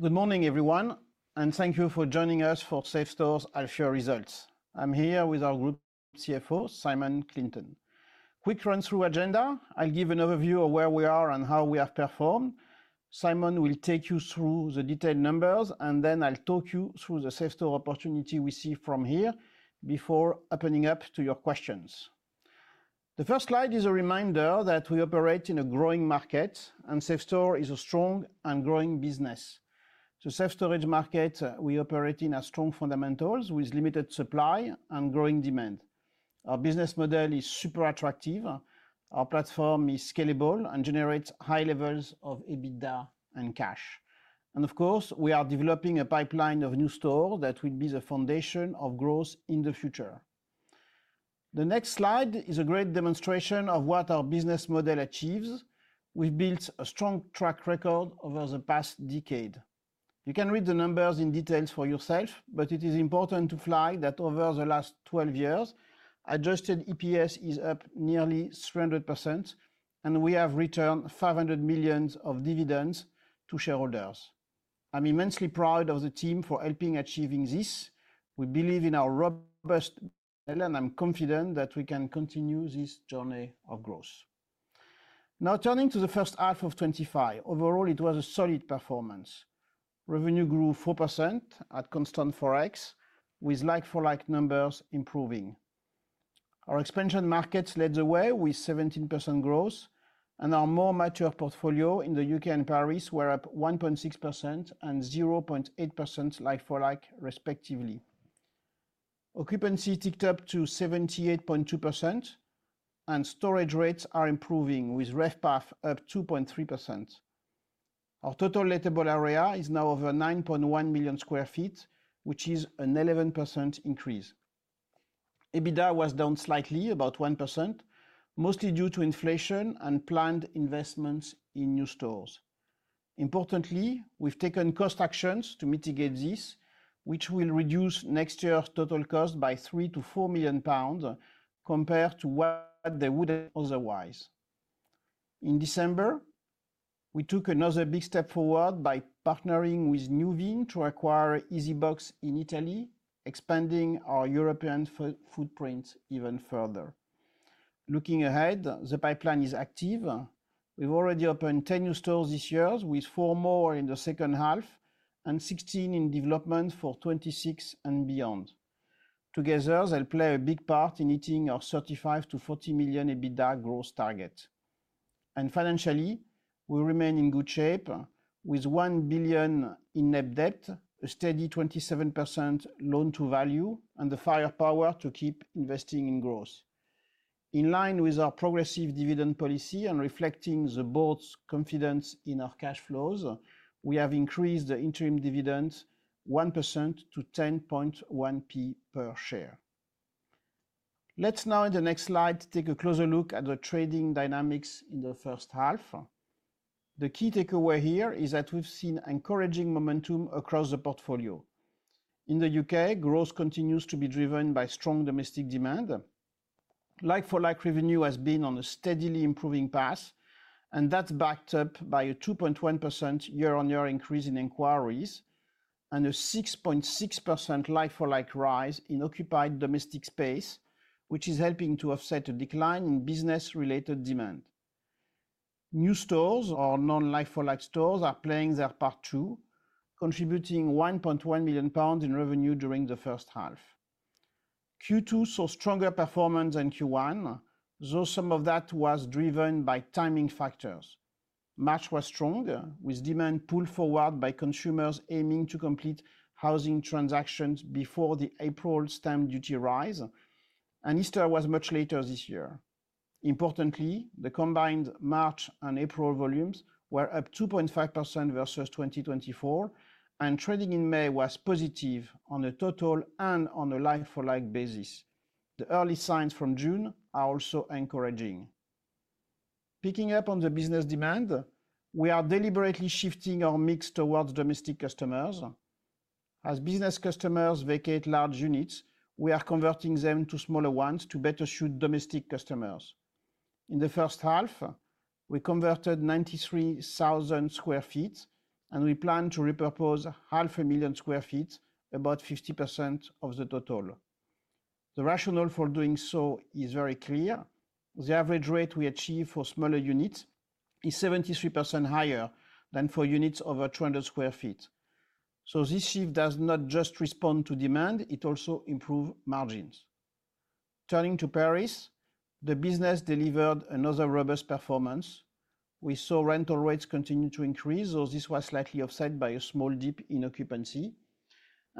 Good morning, everyone, and thank you for joining us for Safestore's Alpha Results. I'm here with our Group CFO, Simon Clinton. Quick run-through agenda: I'll give an overview of where we are and how we have performed. Simon will take you through the detailed numbers, and then I'll talk you through the Safestore opportunity we see from here before opening up to your questions. The first slide is a reminder that we operate in a growing market, and Safestore is a strong and growing business. The self-storage market we operate in has strong fundamentals with limited supply and growing demand. Our business model is super attractive. Our platform is scalable and generates high levels of EBITDA and cash. Of course, we are developing a pipeline of new stores that will be the foundation of growth in the future. The next slide is a great demonstration of what our business model achieves. We've built a strong track record over the past decade. You can read the numbers in detail for yourself, but it is important to flag that over the last 12 years, adjusted EPS is up nearly 300%, and we have returned 500 million of dividends to shareholders. I'm immensely proud of the team for helping achieve this. We believe in our robust model, and I'm confident that we can continue this journey of growth. Now, turning to the first half of 2025, overall, it was a solid performance. Revenue grew 4% at constant forex, with like-for-like numbers improving. Our expansion markets led the way with 17% growth, and our more mature portfolio in the U.K. and Paris were up 1.6% and 0.8% like-for-like, respectively. Occupancy ticked up to 78.2%, and storage rates are improving with RevPAR up 2.3%. Our total lettable area is now over 9.1 million sq ft, which is an 11% increase. EBITDA was down slightly, about 1%, mostly due to inflation and planned investments in new stores. Importantly, we've taken cost actions to mitigate this, which will reduce next year's total cost by 3 million-4 million pounds compared to what they would otherwise. In December, we took another big step forward by partnering with Nuvin to acquire EasyBox in Italy, expanding our European footprint even further. Looking ahead, the pipeline is active. We've already opened 10 new stores this year, with 4 more in the second half and 16 in development for 2026 and beyond. Together, they'll play a big part in hitting our 35 million-40 million EBITDA growth target. Financially, we remain in good shape with 1 billion in net debt, a steady 27% loan-to-value, and the firepower to keep investing in growth. In line with our progressive dividend policy and reflecting the board's confidence in our cash flows, we have increased the interim dividend 1% to 0.101 per share. In the next slide, let's take a closer look at the trading dynamics in the first half. The key takeaway here is that we've seen encouraging momentum across the portfolio. In the U.K., growth continues to be driven by strong domestic demand. Like-for-like revenue has been on a steadily improving path, and that's backed up by a 2.1% year-on-year increase in inquiries and a 6.6% like-for-like rise in occupied domestic space, which is helping to offset a decline in business-related demand. New stores, or non-like-for-like stores, are playing their part too, contributing 1.1 million pounds in revenue during the first half. Q2 saw stronger performance than Q1, though some of that was driven by timing factors. March was strong, with demand pulled forward by consumers aiming to complete housing transactions before the April stamp duty rise, and Easter was much later this year. Importantly, the combined March and April volumes were up 2.5% versus 2024, and trading in May was positive on a total and on a like-for-like basis. The early signs from June are also encouraging. Picking up on the business demand, we are deliberately shifting our mix towards domestic customers. As business customers vacate large units, we are converting them to smaller ones to better suit domestic customers. In the first half, we converted 93,000 sq ft, and we plan to repurpose 500,000 sq ft, about 50% of the total. The rationale for doing so is very clear. The average rate we achieve for smaller units is 73% higher than for units over 200 sq ft. This shift does not just respond to demand; it also improves margins. Turning to Paris, the business delivered another robust performance. We saw rental rates continue to increase, though this was slightly offset by a small dip in occupancy.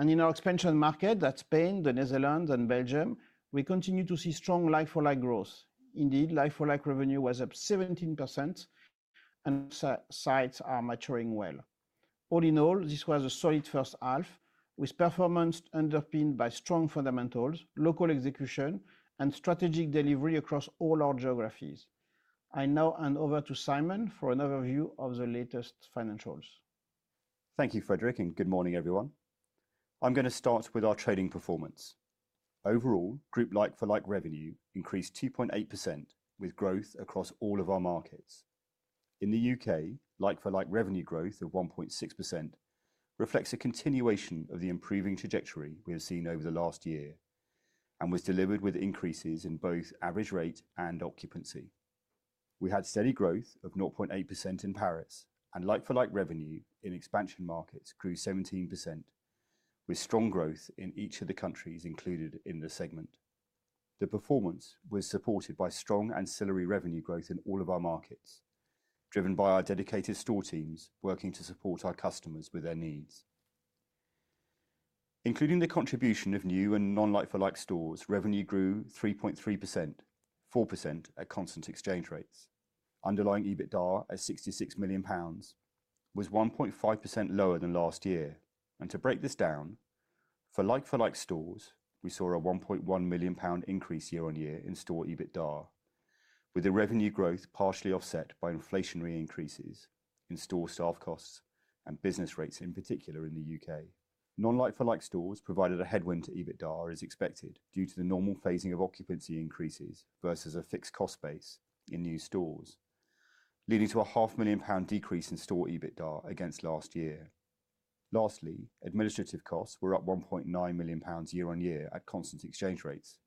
In our expansion market, that's Spain, the Netherlands, and Belgium, we continue to see strong like-for-like growth. Indeed, like-for-like revenue was up 17%, and sites are maturing well. All in all, this was a solid first half, with performance underpinned by strong fundamentals, local execution, and strategic delivery across all our geographies. I now hand over to Simon for an overview of the latest financials. Thank you, Frederic, and good morning, everyone. I'm going to start with our trading performance. Overall, group like-for-like revenue increased 2.8%, with growth across all of our markets. In the U.K., like-for-like revenue growth of 1.6% reflects a continuation of the improving trajectory we have seen over the last year and was delivered with increases in both average rate and occupancy. We had steady growth of 0.8% in Paris, and like-for-like revenue in expansion markets grew 17%, with strong growth in each of the countries included in the segment. The performance was supported by strong ancillary revenue growth in all of our markets, driven by our dedicated store teams working to support our customers with their needs. Including the contribution of new and non-like-for-like stores, revenue grew 3.3%, 4% at constant exchange rates. Underlying EBITDA at 66 million pounds was 1.5% lower than last year. To break this down, for like-for-like stores, we saw a 1.1 million pound increase year on year in store EBITDA, with the revenue growth partially offset by inflationary increases in store staff costs and business rates in particular in the U.K. Non-like-for-like stores provided a headwind to EBITDA as expected due to the normal phasing of occupancy increases versus a fixed cost base in new stores, leading to a 500,000 pound decrease in store EBITDA against last year. Lastly, administrative costs were up 1.9 million pounds year on year at constant exchange rates,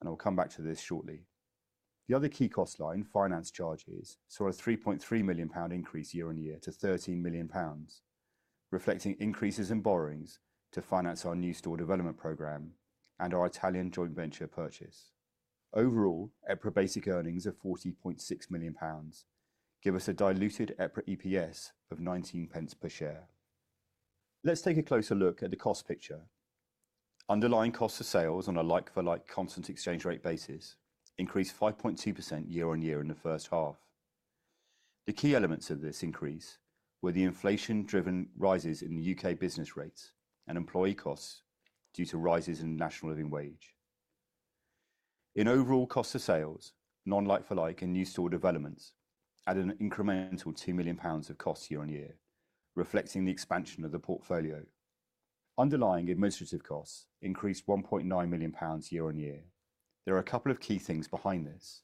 and I'll come back to this shortly. The other key cost line, finance charges, saw a 3.3 million pound increase year on year to 13 million pounds, reflecting increases in borrowings to finance our new store development program and our Italian joint venture purchase. Overall, EPRA basic earnings of 40.6 million pounds give us a diluted EPRA EPS of 19 pence per share. Let's take a closer look at the cost picture. Underlying costs of sales on a like-for-like constant exchange rate basis increased 5.2% year on year in the first half. The key elements of this increase were the inflation-driven rises in the U.K. business rates and employee costs due to rises in national living wage. In overall cost of sales, non-like-for-like and new store developments added an incremental 2 million pounds of cost year on year, reflecting the expansion of the portfolio. Underlying administrative costs increased 1.9 million pounds year on year. There are a couple of key things behind this.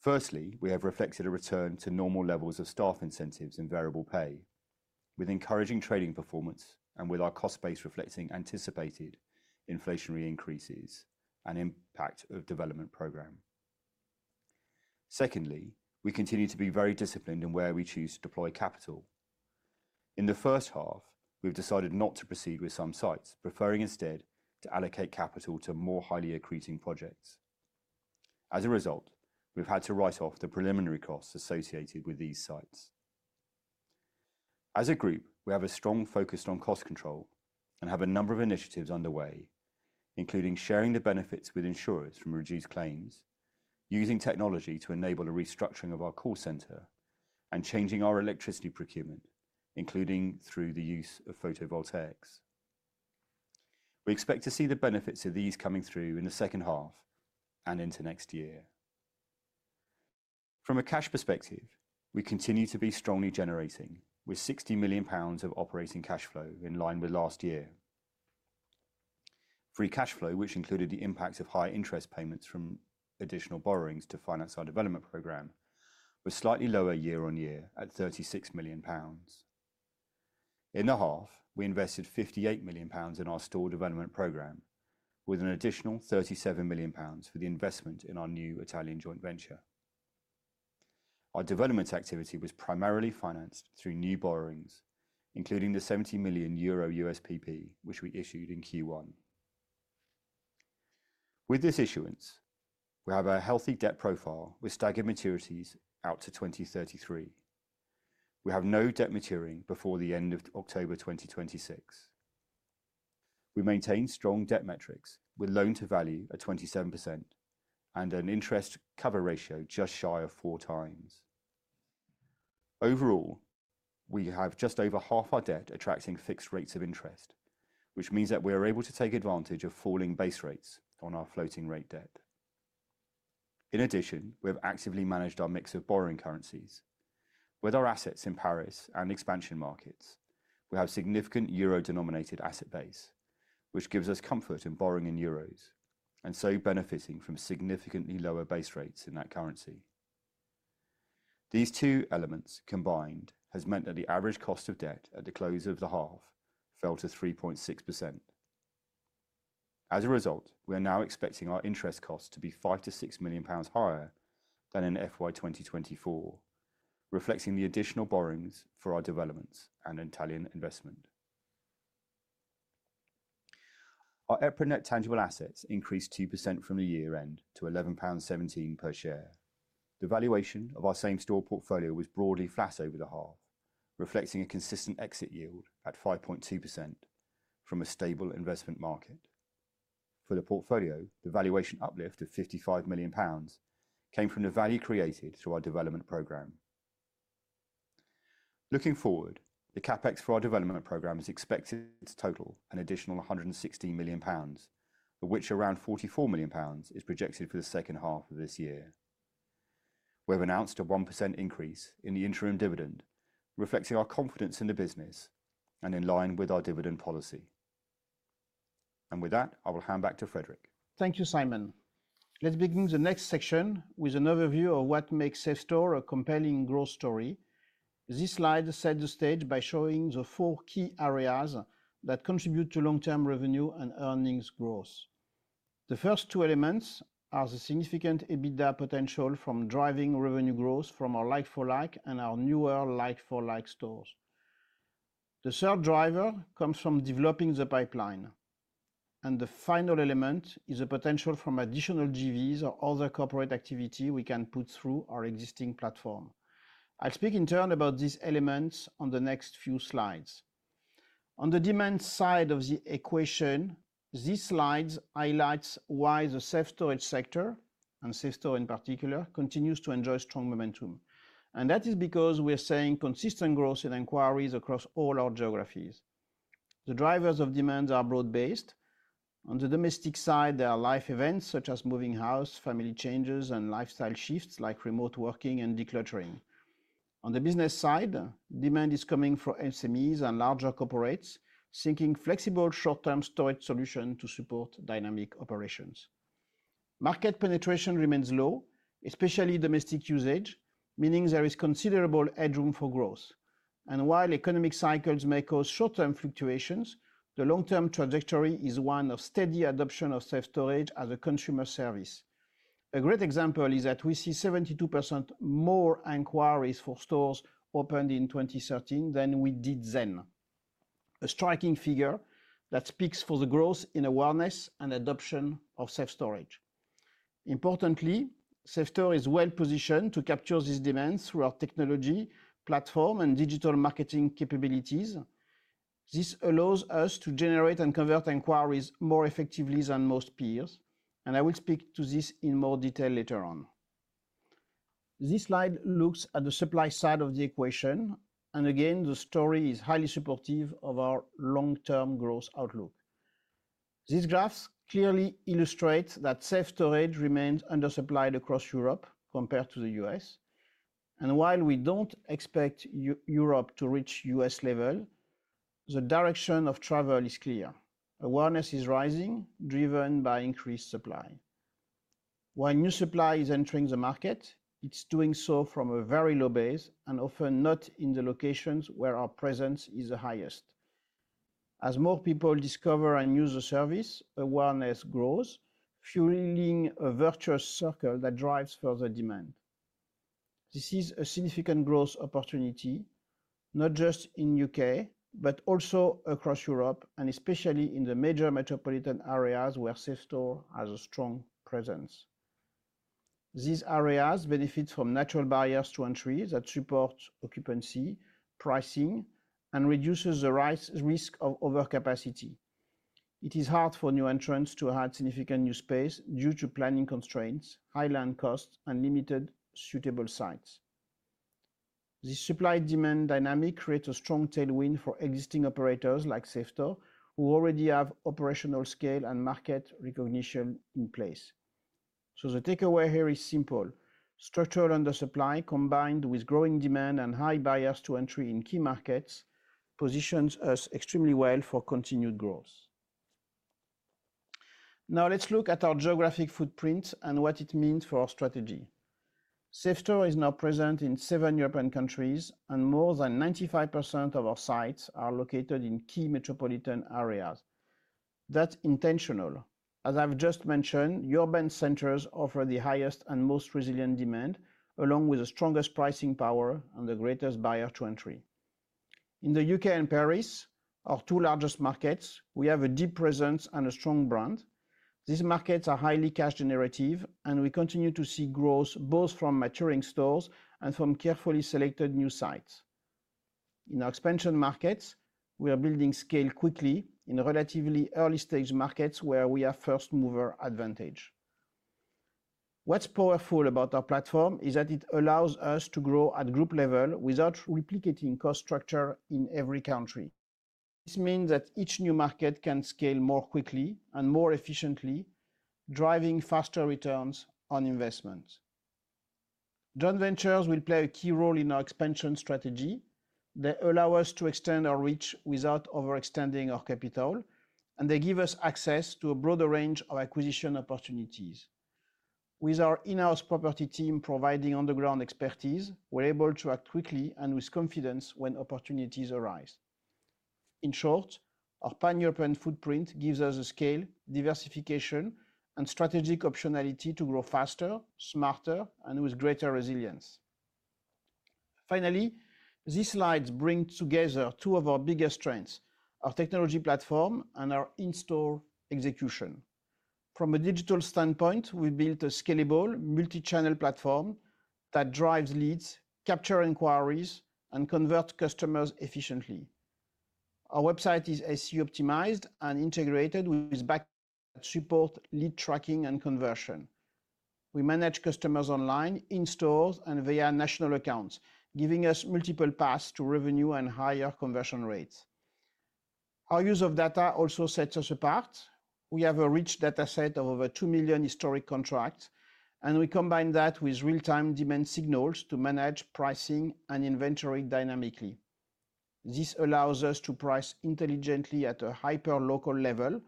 Firstly, we have reflected a return to normal levels of staff incentives and variable pay, with encouraging trading performance and with our cost base reflecting anticipated inflationary increases and impact of development program. Secondly, we continue to be very disciplined in where we choose to deploy capital. In the first half, we've decided not to proceed with some sites, preferring instead to allocate capital to more highly accreting projects. As a result, we've had to write off the preliminary costs associated with these sites. As a group, we have a strong focus on cost control and have a number of initiatives underway, including sharing the benefits with insurers from reduced claims, using technology to enable a restructuring of our call center, and changing our electricity procurement, including through the use of photovoltaics. We expect to see the benefits of these coming through in the second half and into next year. From a cash perspective, we continue to be strongly generating, with 60 million pounds of operating cash flow in line with last year. Free cash flow, which included the impact of high interest payments from additional borrowings to finance our development program, was slightly lower year on year at 36 million pounds. In the half, we invested 58 million pounds in our store development program, with an additional 37 million pounds for the investment in our new Italian joint venture. Our development activity was primarily financed through new borrowings, including the 70 million euro USPP, which we issued in Q1. With this issuance, we have a healthy debt profile with staggered maturities out to 2033. We have no debt maturing before the end of October 2026. We maintain strong debt metrics with loan-to-value at 27% and an interest cover ratio just shy of four times. Overall, we have just over half our debt attracting fixed rates of interest, which means that we are able to take advantage of falling base rates on our floating rate debt. In addition, we have actively managed our mix of borrowing currencies. With our assets in Paris and expansion markets, we have significant euro-denominated asset base, which gives us comfort in borrowing in EUR and so benefiting from significantly lower base rates in that currency. These two elements combined have meant that the average cost of debt at the close of the half fell to 3.6%. As a result, we are now expecting our interest costs to be 5 million-6 million pounds higher than in FY 2024, reflecting the additional borrowings for our developments and Italian investment. Our EPRA net tangible assets increased 2% from the year-end to 11.17 pounds per share. The valuation of our same store portfolio was broadly flat over the half, reflecting a consistent exit yield at 5.2% from a stable investment market. For the portfolio, the valuation uplift of 55 million pounds came from the value created through our development program. Looking forward, the CapEx for our development program is expected to total an additional 116 million pounds, of which around 44 million pounds is projected for the second half of this year. We have announced a 1% increase in the interim dividend, reflecting our confidence in the business and in line with our dividend policy. I will hand back to Frederic. Thank you, Simon. Let's begin the next section with an overview of what makes Safestore a compelling growth story. This slide sets the stage by showing the four key areas that contribute to long-term revenue and earnings growth. The first two elements are the significant EBITDA potential from driving revenue growth from our like-for-like and our newer like-for-like stores. The third driver comes from developing the pipeline. The final element is the potential from additional GVs or other corporate activity we can put through our existing platform. I'll speak in turn about these elements on the next few slides. On the demand side of the equation, these slides highlight why the self-storage sector, and Safestore in particular, continues to enjoy strong momentum. That is because we are seeing consistent growth in inquiries across all our geographies. The drivers of demand are broad-based. On the domestic side, there are life events such as moving houses, family changes, and lifestyle shifts like remote working and decluttering. On the business side, demand is coming from SMEs and larger corporates seeking flexible short-term storage solutions to support dynamic operations. Market penetration remains low, especially domestic usage, meaning there is considerable headroom for growth. While economic cycles may cause short-term fluctuations, the long-term trajectory is one of steady adoption of safe storage as a consumer service. A great example is that we see 72% more inquiries for stores opened in 2013 than we did then, a striking figure that speaks for the growth in awareness and adoption of safe storage. Importantly, Safestore is well positioned to capture this demand through our technology platform and digital marketing capabilities. This allows us to generate and convert inquiries more effectively than most peers. I will speak to this in more detail later on. This slide looks at the supply side of the equation. Again, the story is highly supportive of our long-term growth outlook. These graphs clearly illustrate that self-storage remains undersupplied across Europe compared to the U.S. While we do not expect Europe to reach U.S. level, the direction of travel is clear. Awareness is rising, driven by increased supply. While new supply is entering the market, it is doing so from a very low base and often not in the locations where our presence is the highest. As more people discover and use the service, awareness grows, fueling a virtuous circle that drives further demand. This is a significant growth opportunity, not just in the U.K., but also across Europe, and especially in the major metropolitan areas where Safestore has a strong presence. These areas benefit from natural barriers to entry that support occupancy, pricing, and reduce the risk of overcapacity. It is hard for new entrants to add significant new space due to planning constraints, high land costs, and limited suitable sites. The supply-demand dynamic creates a strong tailwind for existing operators like Safestore, who already have operational scale and market recognition in place. The takeaway here is simple. Structural undersupply combined with growing demand and high barriers to entry in key markets positions us extremely well for continued growth. Now let's look at our geographic footprint and what it means for our strategy. Safestore is now present in seven European countries, and more than 95% of our sites are located in key metropolitan areas. That's intentional. As I've just mentioned, urban centers offer the highest and most resilient demand, along with the strongest pricing power and the greatest barrier to entry. In the U.K. and Paris, our two largest markets, we have a deep presence and a strong brand. These markets are highly cash-generative, and we continue to see growth both from maturing stores and from carefully selected new sites. In our expansion markets, we are building scale quickly in relatively early-stage markets where we have first-mover advantage. What's powerful about our platform is that it allows us to grow at group level without replicating cost structure in every country. This means that each new market can scale more quickly and more efficiently, driving faster returns on investments. Joint ventures will play a key role in our expansion strategy. They allow us to extend our reach without overextending our capital, and they give us access to a broader range of acquisition opportunities. With our in-house property team providing underground expertise, we're able to act quickly and with confidence when opportunities arise. In short, our pan-European footprint gives us scale, diversification, and strategic optionality to grow faster, smarter, and with greater resilience. Finally, these slides bring together two of our biggest strengths: our technology platform and our in-store execution. From a digital standpoint, we built a scalable multi-channel platform that drives leads, captures inquiries, and converts customers efficiently. Our website is SEO-optimized and integrated with backend support, lead tracking, and conversion. We manage customers online, in-store, and via national accounts, giving us multiple paths to revenue and higher conversion rates. Our use of data also sets us apart. We have a rich data set of over 2 million historic contracts, and we combine that with real-time demand signals to manage pricing and inventory dynamically. This allows us to price intelligently at a hyper-local level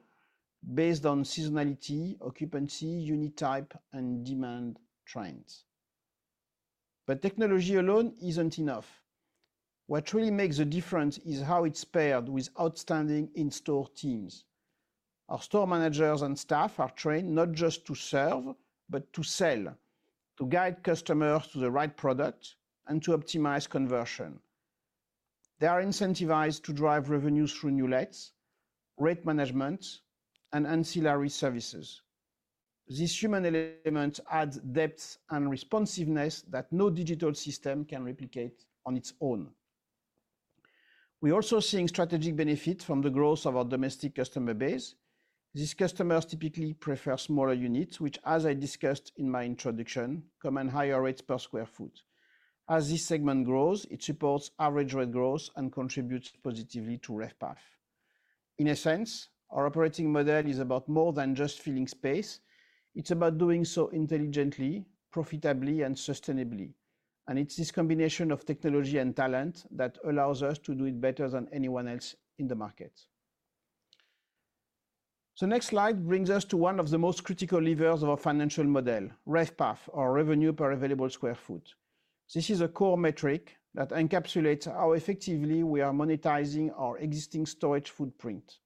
based on seasonality, occupancy, unit type, and demand trends. Technology alone is not enough. What really makes a difference is how it is paired with outstanding in-store teams. Our store managers and staff are trained not just to serve, but to sell, to guide customers to the right product, and to optimize conversion. They are incentivized to drive revenue through new leads, rate management, and ancillary services. This human element adds depth and responsiveness that no digital system can replicate on its own. We are also seeing strategic benefits from the growth of our domestic customer base. These customers typically prefer smaller units, which, as I discussed in my introduction, command higher rates per sq ft. As this segment grows, it supports average rate growth and contributes positively to RevPAR. In a sense, our operating model is about more than just filling space. It is about doing so intelligently, profitably, and sustainably. It is this combination of technology and talent that allows us to do it better than anyone else in the market. The next slide brings us to one of the most critical levers of our financial model: RevPAR, or revenue per available sq ft. This is a core metric that encapsulates how effectively we are monetizing our existing storage footprint.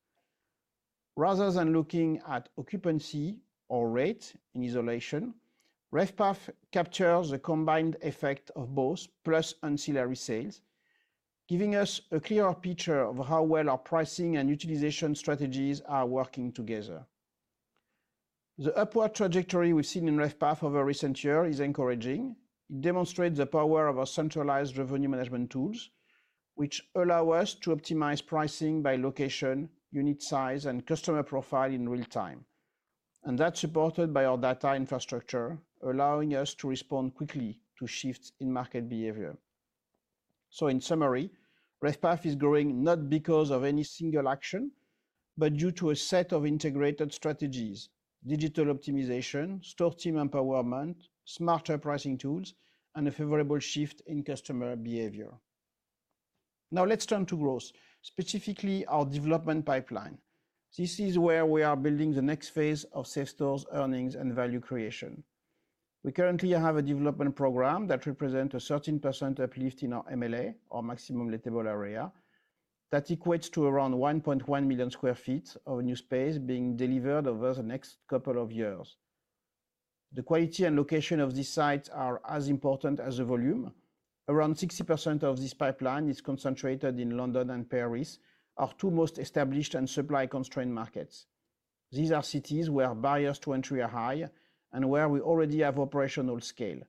Rather than looking at occupancy or rate in isolation, RevPAR captures the combined effect of both, plus ancillary sales, giving us a clearer picture of how well our pricing and utilization strategies are working together. The upward trajectory we've seen in RevPAR over recent years is encouraging. It demonstrates the power of our centralized revenue management tools, which allow us to optimize pricing by location, unit size, and customer profile in real time. That is supported by our data infrastructure, allowing us to respond quickly to shifts in market behavior. In summary, RevPAR is growing not because of any single action, but due to a set of integrated strategies: digital optimization, store team empowerment, smarter pricing tools, and a favorable shift in customer behavior. Now let's turn to growth, specifically our development pipeline. This is where we are building the next phase of Safestore's earnings and value creation. We currently have a development program that represents a 13% uplift in our MLA, or maximum livable area, that equates to around 1.1 million sq ft of new space being delivered over the next couple of years. The quality and location of these sites are as important as the volume. Around 60% of this pipeline is concentrated in London and Paris, our two most established and supply-constrained markets. These are cities where barriers to entry are high and where we already have operational scale.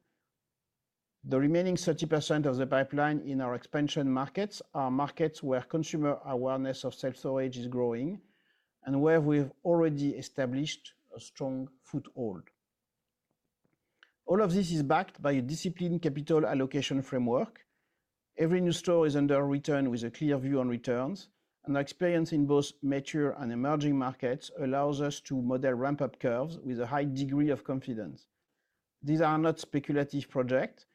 The remaining 30% of the pipeline in our expansion markets are markets where consumer awareness of safe storage is growing and where we've already established a strong foothold. All of this is backed by a disciplined capital allocation framework. Every new store is under return with a clear view on returns. Our experience in both mature and emerging markets allows us to model ramp-up curves with a high degree of confidence. These are not speculative projects.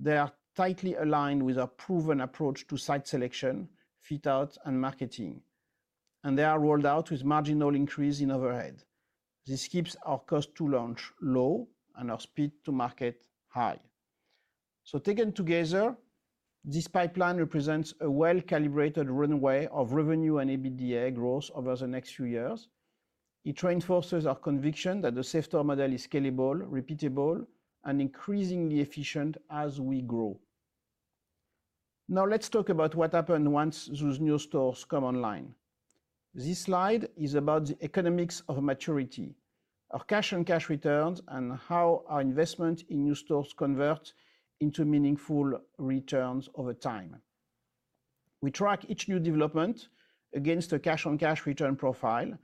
They are tightly aligned with our proven approach to site selection, fit-out, and marketing. They are rolled out with marginal increase in overhead. This keeps our cost-to-launch low and our speed-to-market high. Taken together, this pipeline represents a well-calibrated runway of revenue and EBITDA growth over the next few years. It reinforces our conviction that the Safestore model is scalable, repeatable, and increasingly efficient as we grow. Now let's talk about what happens once those new stores come online. This slide is about the economics of maturity, our cash-on-cash returns, and how our investment in new stores converts into meaningful returns over time. We track each new development against a cash-on-cash return profile.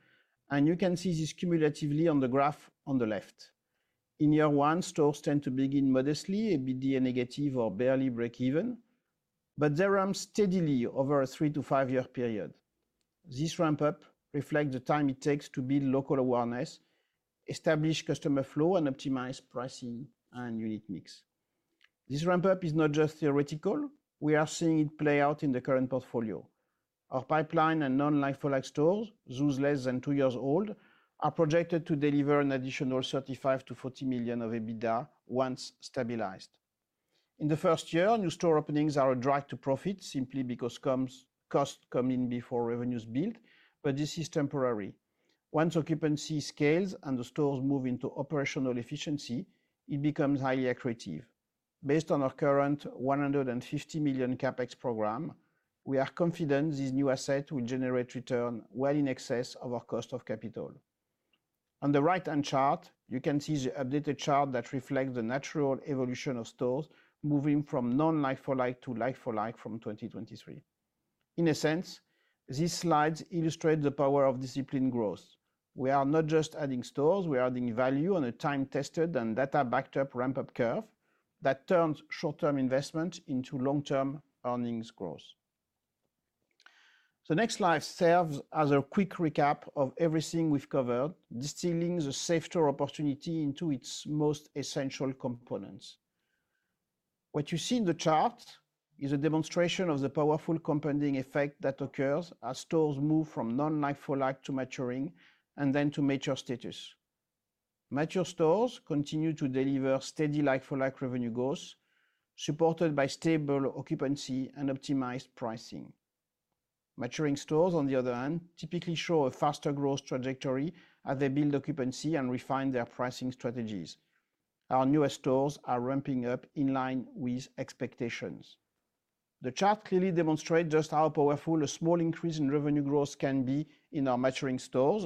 You can see this cumulatively on the graph on the left. In year one, stores tend to begin modestly, EBITDA negative or barely break even, but they ramp steadily over a three- to five-year period. This ramp-up reflects the time it takes to build local awareness, establish customer flow, and optimize pricing and unit mix. This ramp-up is not just theoretical. We are seeing it play out in the current portfolio. Our pipeline and non-like-for-like stores, those less than two years old, are projected to deliver an additional 35 million-40 million of EBITDA once stabilized. In the first year, new store openings are a drive to profit simply because costs come in before revenues build. This is temporary. Once occupancy scales and the stores move into operational efficiency, it becomes highly accretive. Based on our current 150 million capex program, we are confident this new asset will generate return well in excess of our cost of capital. On the right-hand chart, you can see the updated chart that reflects the natural evolution of stores moving from non-like-for-like to like-for-like from 2023. In a sense, these slides illustrate the power of disciplined growth. We are not just adding stores; we are adding value on a time-tested and data-backed-up ramp-up curve that turns short-term investment into long-term earnings growth. The next slide serves as a quick recap of everything we've covered, distilling the Safestore opportunity into its most essential components. What you see in the chart is a demonstration of the powerful compounding effect that occurs as stores move from non-like-for-like to maturing and then to mature status. Mature stores continue to deliver steady like-for-like revenue growth, supported by stable occupancy and optimized pricing. Maturing stores, on the other hand, typically show a faster growth trajectory as they build occupancy and refine their pricing strategies. Our newest stores are ramping up in line with expectations. The chart clearly demonstrates just how powerful a small increase in revenue growth can be in our maturing stores.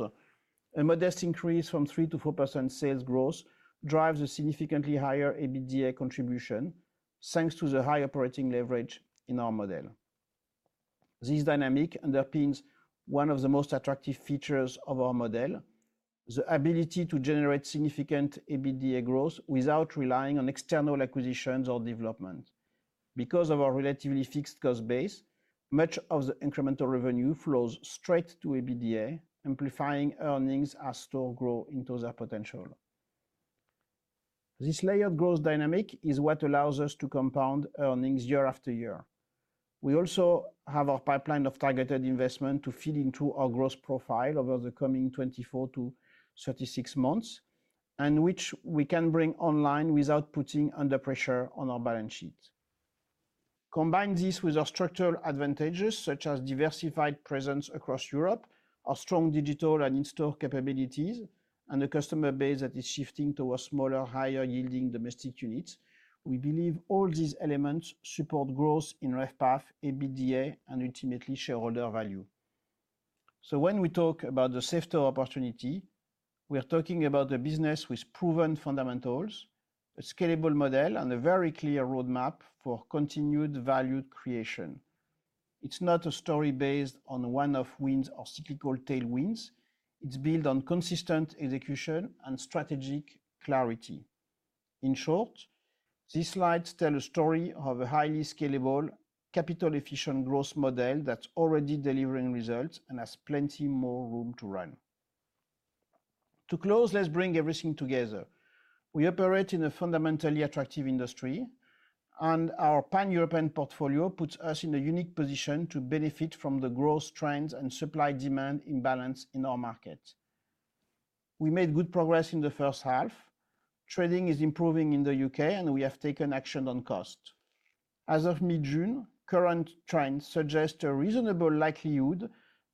A modest increase from 3-4% sales growth drives a significantly higher EBITDA contribution thanks to the high operating leverage in our model. This dynamic underpins one of the most attractive features of our model: the ability to generate significant EBITDA growth without relying on external acquisitions or development. Because of our relatively fixed cost base, much of the incremental revenue flows straight to EBITDA, amplifying earnings as stores grow into their potential. This layered growth dynamic is what allows us to compound earnings year after year. We also have our pipeline of targeted investment to feed into our growth profile over the coming 24-36 months, and which we can bring online without putting pressure on our balance sheet. Combine this with our structural advantages, such as diversified presence across Europe, our strong digital and in-store capabilities, and the customer base that is shifting towards smaller, higher-yielding domestic units. We believe all these elements support growth in RevPAR, EBITDA, and ultimately shareholder value. When we talk about the Safestore opportunity, we are talking about a business with proven fundamentals, a scalable model, and a very clear roadmap for continued value creation. It is not a story based on one-off wins or cyclical tailwinds. It is built on consistent execution and strategic clarity. In short, these slides tell a story of a highly scalable, capital-efficient growth model that is already delivering results and has plenty more room to run. To close, let's bring everything together. We operate in a fundamentally attractive industry, and our pan-European portfolio puts us in a unique position to benefit from the growth trends and supply-demand imbalance in our market. We made good progress in the first half. Trading is improving in the U.K., and we have taken action on cost. As of mid-June, current trends suggest a reasonable likelihood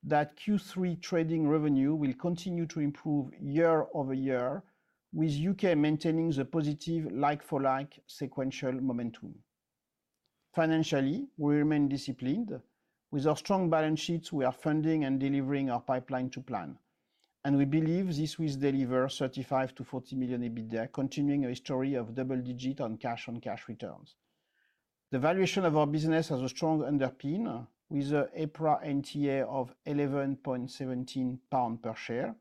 that Q3 trading revenue will continue to improve year over year, with the U.K. maintaining a positive like-for-like sequential momentum. Financially, we remain disciplined. With our strong balance sheets, we are funding and delivering our pipeline to plan. We believe this will deliver 35 million-40 million EBITDA, continuing a story of double-digit on cash-on-cash returns. The valuation of our business has a strong underpin, with an EPRA NTA of 11.17 pounds per share.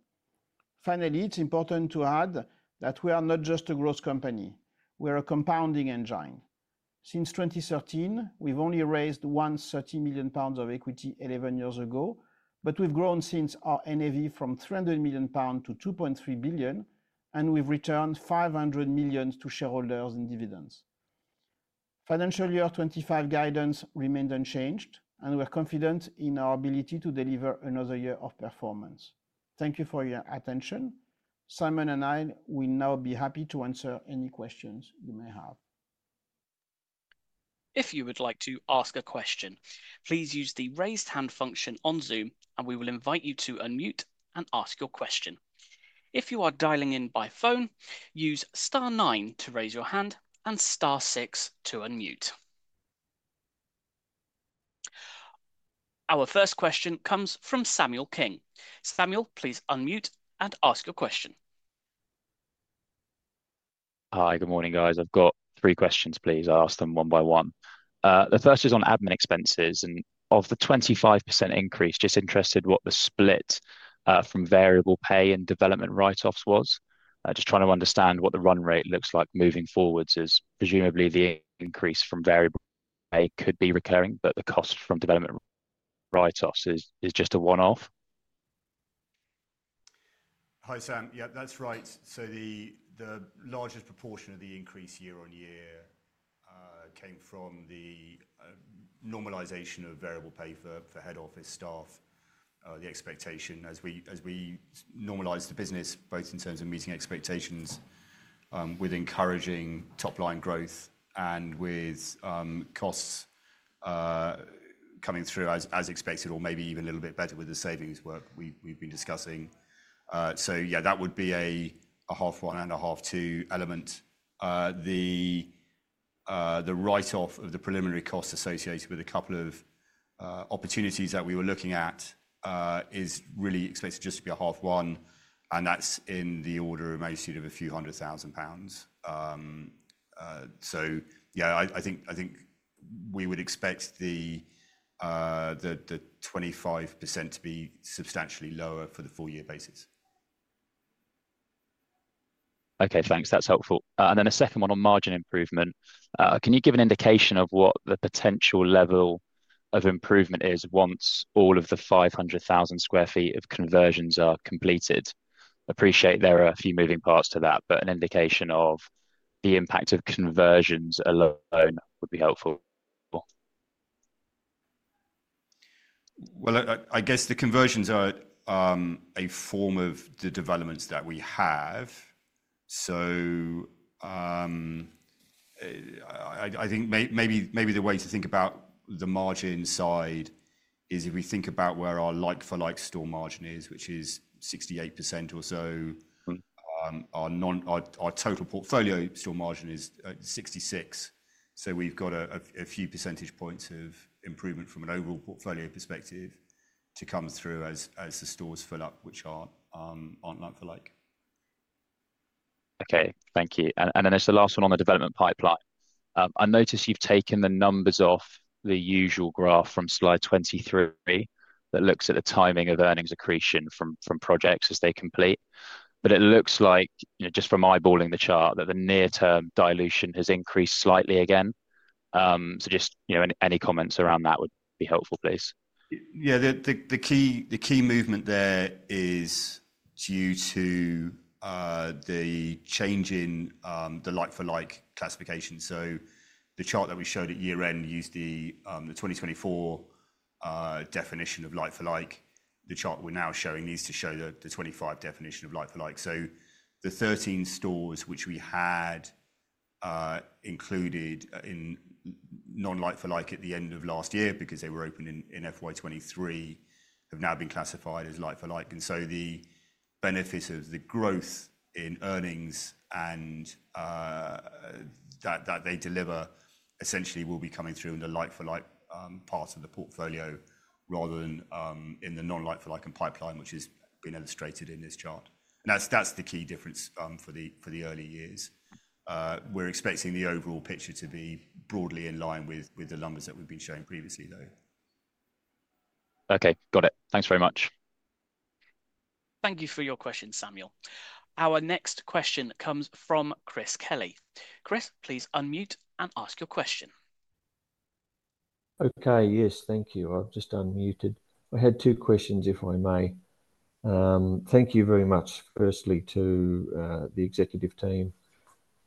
Finally, it's important to add that we are not just a growth company. We are a compounding engine. Since 2013, we've only raised 130 million pounds of equity 11 years ago, but we've grown since our NAV from 300 million pounds to 2.3 billion, and we've returned 500 million to shareholders in dividends. Financial year 2025 guidance remained unchanged, and we're confident in our ability to deliver another year of performance. Thank you for your attention. Simon and I will now be happy to answer any questions you may have. If you would like to ask a question, please use the raised hand function on Zoom, and we will invite you to unmute and ask your question. If you are dialing in by phone, use star nine to raise your hand and star six to unmute. Our first question comes from Samuel King. Samuel, please unmute and ask your question. Hi, good morning, guys. I've got three questions, please. I'll ask them one by one. The first is on admin expenses. And of the 25% increase, just interested what the split from variable pay and development write-offs was. Just trying to understand what the run rate looks like moving forwards, as presumably the increase from variable pay could be recurring, but the cost from development write-offs is just a one-off. Hi, Sam. Yeah, that's right. So the largest proportion of the increase year on year came from the normalization of variable pay for head office staff. The expectation, as we normalize the business, both in terms of meeting expectations with encouraging top-line growth and with costs coming through as expected, or maybe even a little bit better with the savings work we've been discussing. Yeah, that would be a half one and a half two element. The write-off of the preliminary cost associated with a couple of opportunities that we were looking at is really expected just to be a half one, and that's in the order of a magnitude of a few hundred thousand GBP. Yeah, I think we would expect the 25% to be substantially lower for the full-year basis. Okay, thanks. That's helpful. A second one on margin improvement. Can you give an indication of what the potential level of improvement is once all of the 500,000 sq ft of conversions are completed? Appreciate there are a few moving parts to that, but an indication of the impact of conversions alone would be helpful. I guess the conversions are a form of the developments that we have. I think maybe the way to think about the margin side is if we think about where our like-for-like store margin is, which is 68% or so. Our total portfolio store margin is 66%. We have a few percentage points of improvement from an overall portfolio perspective to come through as the stores fill up, which are not like-for-like. Okay, thank you. It is the last one on the development pipeline. I notice you have taken the numbers off the usual graph from slide 23 that looks at the timing of earnings accretion from projects as they complete. It looks like, just from eyeballing the chart, that the near-term dilution has increased slightly again. Just any comments around that would be helpful, please. Yeah, the key movement there is due to the change in the like-for-like classification. The chart that we showed at year-end used the 2024 definition of like-for-like. The chart we're now showing needs to show the 2025 definition of like-for-like. The 13 stores which we had included in non-like-for-like at the end of last year because they were open in FY2023 have now been classified as like-for-like. The benefits of the growth in earnings that they deliver essentially will be coming through in the like-for-like part of the portfolio rather than in the non-like-for-like and pipeline, which has been illustrated in this chart. That's the key difference for the early years. We're expecting the overall picture to be broadly in line with the numbers that we've been showing previously, though. Okay, got it. Thanks very much. Thank you for your question, Samuel. Our next question comes from Chris Kelly. Chris, please unmute and ask your question. Okay, yes, thank you. I've just unmuted. I had two questions, if I may. Thank you very much, firstly, to the executive team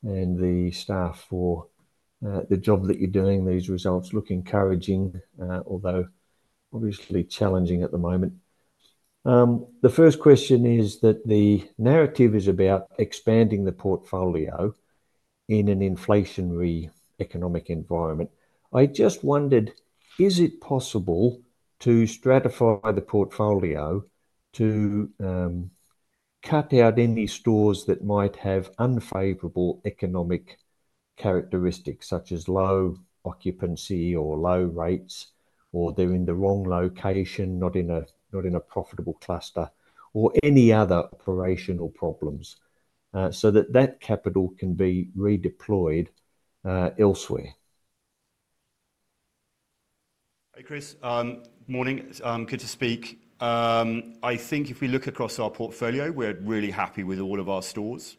and the staff for the job that you're doing. These results look encouraging, although obviously challenging at the moment. The first question is that the narrative is about expanding the portfolio in an inflationary economic environment. I just wondered, is it possible to stratify the portfolio to cut out any stores that might have unfavorable economic characteristics, such as low occupancy or low rates, or they're in the wrong location, not in a profitable cluster, or any other operational problems, so that that capital can be redeployed elsewhere? Hey, Chris. Good morning. Good to speak. I think if we look across our portfolio, we're really happy with all of our stores.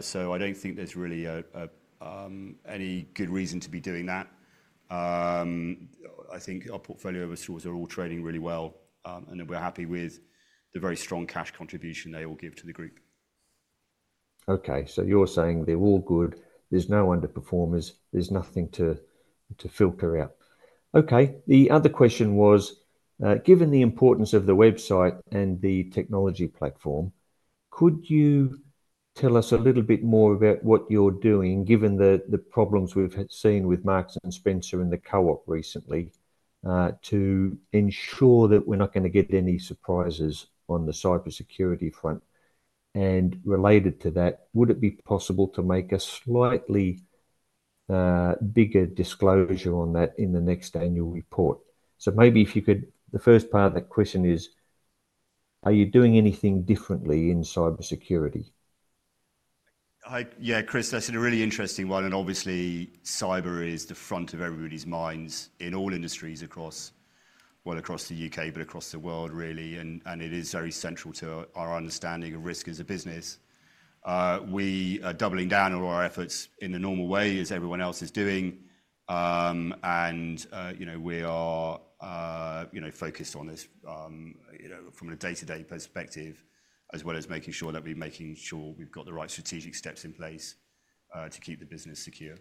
So I don't think there's really any good reason to be doing that. I think our portfolio of stores are all trading really well, and we're happy with the very strong cash contribution they all give to the group. Okay, so you're saying they're all good. There's no underperformers. There's nothing to filter out. Okay, the other question was, given the importance of the website and the technology platform, could you tell us a little bit more about what you're doing, given the problems we've seen with Marks and Spencer and The Co-op recently, to ensure that we're not going to get any surprises on the cybersecurity front? Related to that, would it be possible to make a slightly bigger disclosure on that in the next annual report? Maybe if you could, the first part of that question is, are you doing anything differently in cybersecurity? Yeah, Chris, that's a really interesting one. Obviously, cyber is the front of everybody's minds in all industries across, well, across the U.K., but across the world, really. It is very central to our understanding of risk as a business. We are doubling down on our efforts in the normal way, as everyone else is doing. We are focused on this from a day-to-day perspective, as well as making sure that we're making sure we've got the right strategic steps in place to keep the business secure.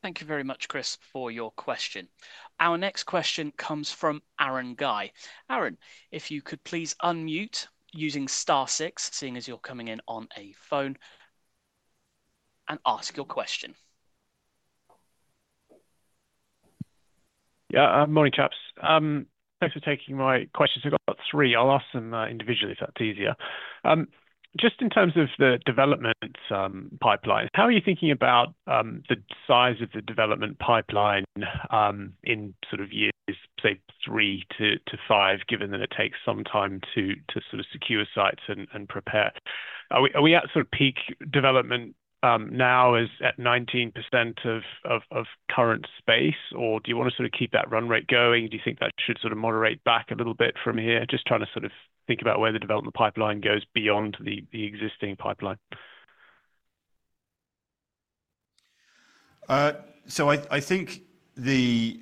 Thank you very much, Chris, for your question. Our next question comes from Aaron Guy. Aaron, if you could please unmute using star six, seeing as you're coming in on a phone, and ask your question. Yeah, morning, chaps. Thanks for taking my questions. I've got three. I'll ask them individually if that's easier. Just in terms of the development pipeline, how are you thinking about the size of the development pipeline in sort of years, say, three to five, given that it takes some time to sort of secure sites and prepare? Are we at sort of peak development now as at 19% of current space, or do you want to sort of keep that run rate going? Do you think that should sort of moderate back a little bit from here? Just trying to sort of think about where the development pipeline goes beyond the existing pipeline. I think the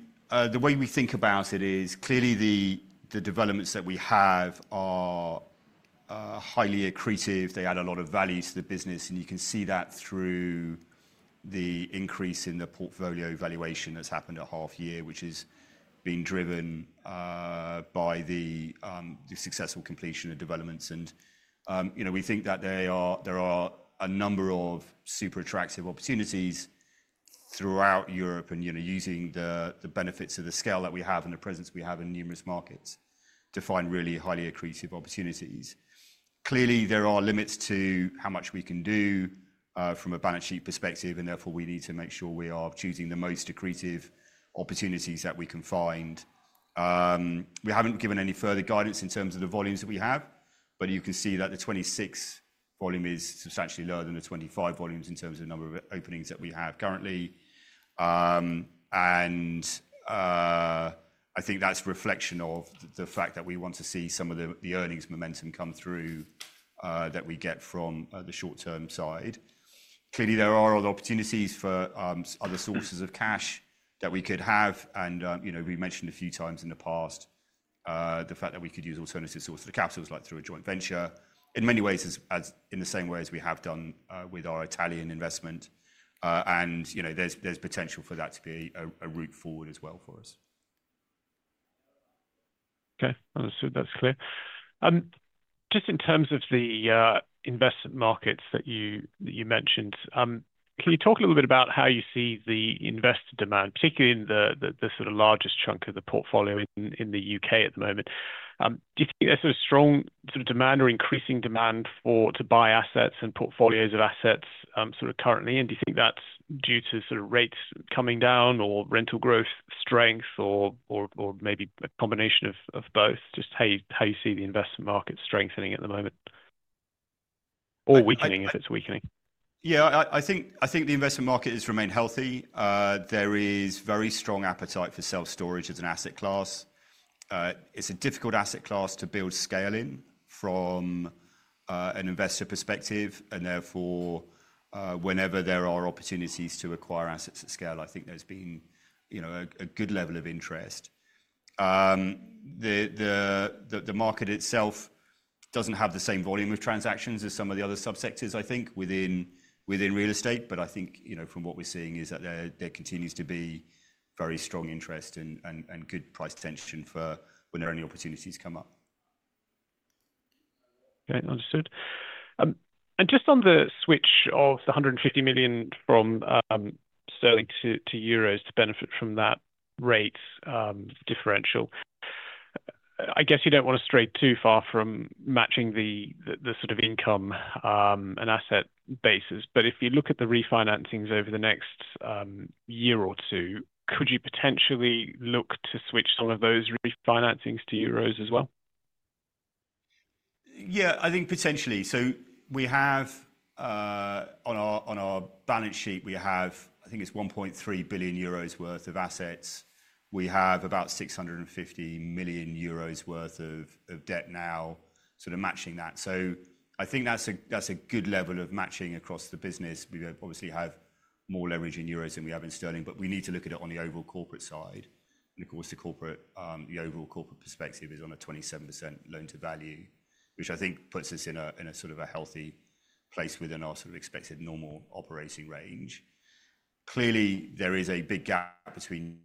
way we think about it is clearly the developments that we have are highly accretive. They add a lot of value to the business, and you can see that through the increase in the portfolio valuation that has happened at half year, which has been driven by the successful completion of developments. We think that there are a number of super attractive opportunities throughout Europe and using the benefits of the scale that we have and the presence we have in numerous markets to find really highly accretive opportunities. Clearly, there are limits to how much we can do from a balance sheet perspective, and therefore we need to make sure we are choosing the most accretive opportunities that we can find. We haven't given any further guidance in terms of the volumes that we have, but you can see that the 2026 volume is substantially lower than the 2025 volumes in terms of the number of openings that we have currently. I think that's a reflection of the fact that we want to see some of the earnings momentum come through that we get from the short-term side. Clearly, there are other opportunities for other sources of cash that we could have. We mentioned a few times in the past the fact that we could use alternative sources of capital, like through a joint venture, in many ways, in the same way as we have done with our Italian investment. There is potential for that to be a route forward as well for us. Okay, understood. That is clear. Just in terms of the investment markets that you mentioned, can you talk a little bit about how you see the investor demand, particularly in the sort of largest chunk of the portfolio in the U.K. at the moment? Do you think there is a strong sort of demand or increasing demand to buy assets and portfolios of assets currently? Do you think that is due to rates coming down or rental growth strength or maybe a combination of both? Just how you see the investment market strengthening at the moment or weakening if it's weakening? Yeah, I think the investment market has remained healthy. There is very strong appetite for self-storage as an asset class. It's a difficult asset class to build scale in from an investor perspective. Therefore, whenever there are opportunities to acquire assets at scale, I think there's been a good level of interest. The market itself doesn't have the same volume of transactions as some of the other subsectors, I think, within real estate. I think from what we're seeing is that there continues to be very strong interest and good price tension for whenever any opportunities come up. Okay, understood. Just on the switch of the 150 million from sterling to euros to benefit from that rate differential, I guess you do not want to stray too far from matching the sort of income and asset basis. If you look at the refinancings over the next year or two, could you potentially look to switch some of those refinancings to euros as well? I think potentially. We have on our balance sheet, I think it is 1.3 billion euros worth of assets. We have about 650 million euros worth of debt now, sort of matching that. I think that is a good level of matching across the business. We obviously have more leverage in euros than we have in sterling, but we need to look at it on the overall corporate side. Of course, the overall corporate perspective is on a 27% loan-to-value, which I think puts us in a sort of healthy place within our sort of expected normal operating range. Clearly, there is a big gap between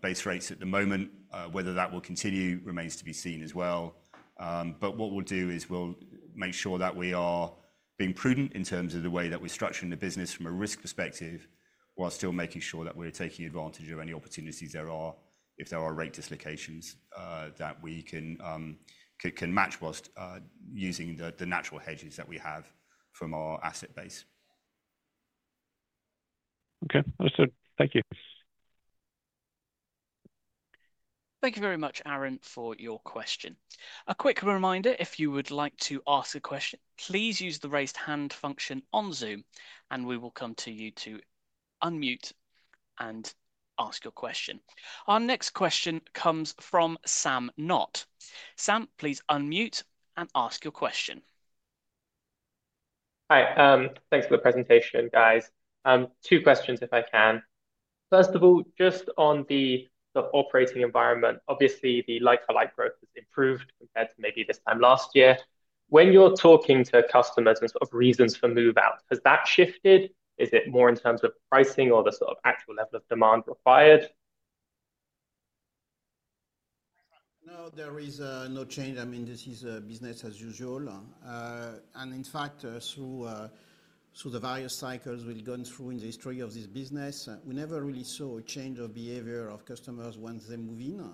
base rates at the moment. Whether that will continue remains to be seen as well. What we will do is make sure that we are being prudent in terms of the way that we are structuring the business from a risk perspective while still making sure that we are taking advantage of any opportunities there are, if there are rate dislocations, that we can match whilst using the natural hedges that we have from our asset base. Okay, understood. Thank you. Thank you very much, Aaron, for your question. A quick reminder, if you would like to ask a question, please use the raised hand function on Zoom, and we will come to you to unmute and ask your question. Our next question comes from Sam Knott. Sam, please unmute and ask your question. Hi, thanks for the presentation, guys. Two questions, if I can. First of all, just on the operating environment, obviously, the like-for-like growth has improved compared to maybe this time last year. When you're talking to customers and sort of reasons for move-out, has that shifted? Is it more in terms of pricing or the sort of actual level of demand required? No, there is no change. I mean, this is a business as usual. In fact, through the various cycles we've gone through in the history of this business, we never really saw a change of behavior of customers once they move in.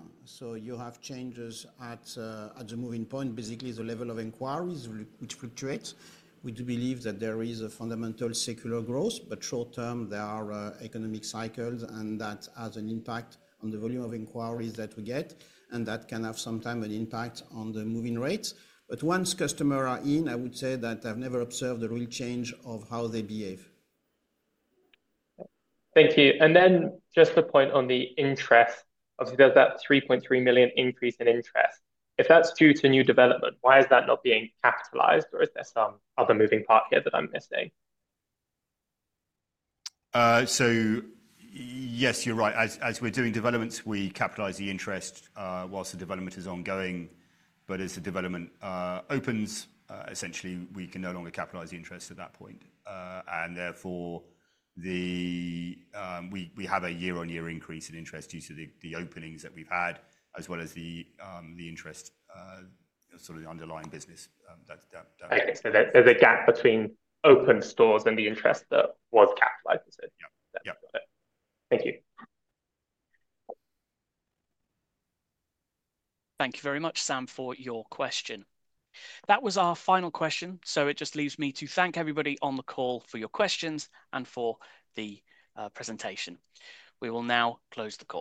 You have changes at the moving point, basically the level of inquiries, which fluctuates. We do believe that there is a fundamental secular growth, but short-term, there are economic cycles, and that has an impact on the volume of inquiries that we get, and that can have sometimes an impact on the moving rates. Once customers are in, I would say that I've never observed a real change of how they behave. Thank you. Then just a point on the interest, obviously, there's that 3.3 million increase in interest. If that's due to new development, why is that not being capitalized, or is there some other moving part here that I'm missing? Yes, you're right. As we're doing developments, we capitalize the interest whilst the development is ongoing. As the development opens, essentially, we can no longer capitalize the interest at that point. Therefore, we have a year-on-year increase in interest due to the openings that we've had, as well as the interest, sort of the underlying business. Okay, so there's a gap between open stores and the interest that was capitalized. Yeah, got it. Thank you. Thank you very much, Sam, for your question. That was our final question. It just leaves me to thank everybody on the call for your questions and for the presentation. We will now close the call.